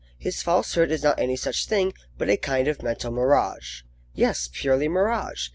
His falsehood is not any such thing, but a kind of mental mirage. Yes, purely mirage!